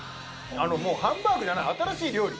もうハンバーグじゃない新しい料理。